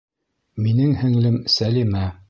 Минең һеңлем Сәлимә